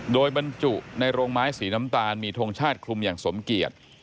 โดยบรรจุในโรงไม้สีน้ำตาลมีทงชาติคลุมอย่างสมเกียจ